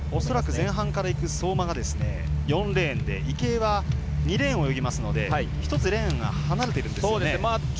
恐らく前半から入ってくる相馬が４レーンで池江が２レーンを泳ぎますので１つレーンが離れているんですね。